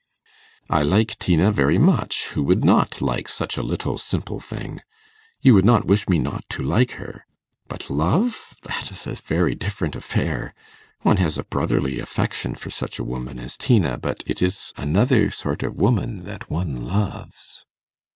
'I like Tina very much; who would not like such a little simple thing? You would not wish me not to like her? But love that is a very different affair. One has a brotherly affection for such a woman as Tina; but it is another sort of woman that one loves.